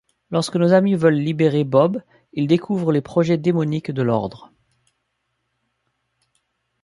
Lorsque nos amis veulent libérer Bob, ils découvrent les projets démoniques de l'Ordre.